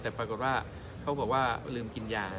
แต่ปรากฏว่าเขาบอกว่าลืมกินยา